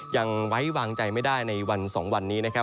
ยังไว้วางใจไม่ได้ในวัน๒วันนี้นะครับ